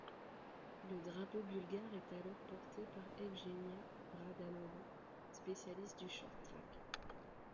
Le drapeau bulgare est alors porté par Evgenia Radanova, spécialiste du short-track.